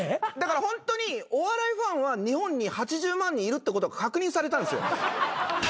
だからホントにお笑いファンは日本に８０万人いるってことが確認されたんですよ。